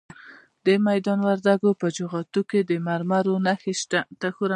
د میدان وردګو په جغتو کې د مرمرو نښې شته.